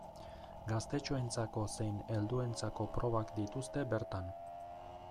Gaztetxoentzako zein helduentzako probak dituzte bertan.